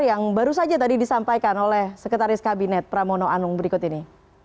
yang baru saja tadi disampaikan oleh sekretaris kabinet pramono anung berikut ini